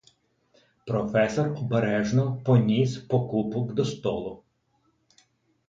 Професор обережно поніс пакунок до столу.